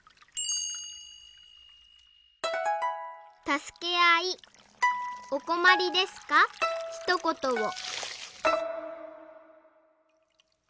「たすけあいおこまりですかひとことを」。